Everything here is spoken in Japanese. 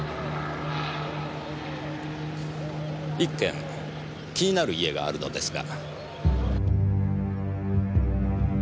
一軒気になる家があるのですが。